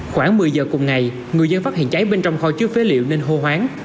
khoảng một mươi giờ cùng ngày người dân phát hiện cháy bên trong kho chứa phế liệu nên hô hoáng